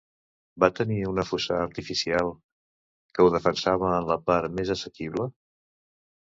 Va tenir una fossar artificial, que ho defensava en la part més assequible.